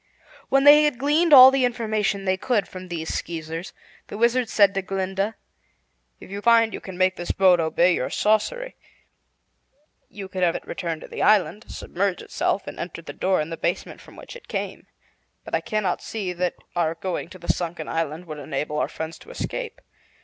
When they had gleaned all the information they could from these Skeezers, the Wizard said to Glinda: "If you find you can make this boat obey your sorcery, you could have it return to the island, submerge itself, and enter the door in the basement from which it came. But I cannot see that our going to the sunken island would enable our friends to escape.